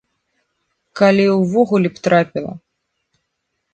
Калі увогуле б трапіла.